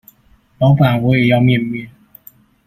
老闆我也要麵麵